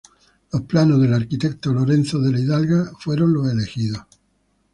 Los planos del arquitecto Lorenzo de la Hidalga fueron los elegidos.